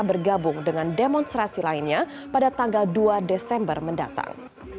bergabung dengan demonstrasi lainnya pada tanggal dua desember mendatang